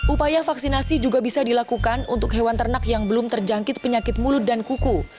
upaya vaksinasi juga bisa dilakukan untuk hewan ternak yang belum terjangkit penyakit mulut dan kuku